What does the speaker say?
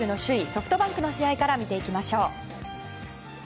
ソフトバンクの試合から見ていきましょう。